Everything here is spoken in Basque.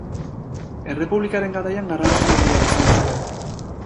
Errepublikaren garaian garrantzi handia izan zuen.